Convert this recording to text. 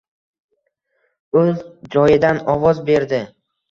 O’z joyidan ovoz berdi: